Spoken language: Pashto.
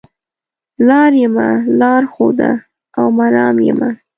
لار یمه لار ښوده او مرام یمه